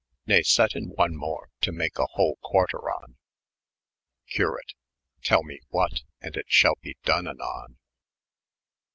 \" Kay, set in one mo, to make a hole qnarteron," 214 Curate. " Tell me what, and it shalbe done anon."